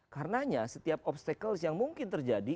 karenanya setiap obstacles yang mungkin terjadi